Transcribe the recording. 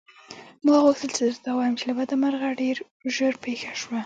ما غوښتل څه درته ووايم چې له بده مرغه ډېر ژر پېښه شوه.